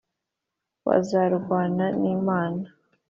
bazarwanana n`imana